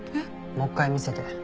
もう一回見せて。